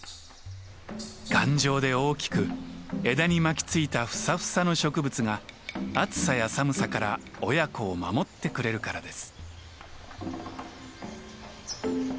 頑丈で大きく枝に巻きついたフサフサの植物が暑さや寒さから親子を守ってくれるからです。